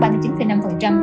tổng chi phí của các hàng bay